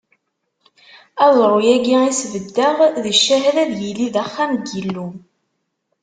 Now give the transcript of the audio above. Aẓru-agi i sbeddeɣ d ccahed, ad yili d axxam n Yillu.